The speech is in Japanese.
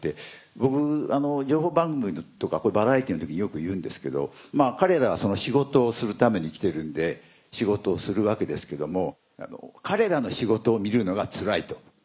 僕情報番組とかこういうバラエティーの時よく言うんですけど彼らはその仕事をするために来てるんで仕事をするわけですけども彼らの仕事を見るのがつらいと。